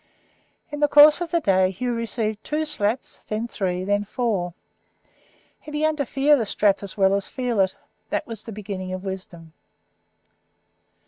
In the course of the day Hugh received two slaps, then three, then four. He began to fear the strap as well as to feel it. That was the beginning of wisdom.